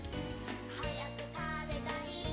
「はやくたべたい！」